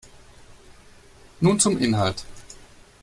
Nun zum Inhalt.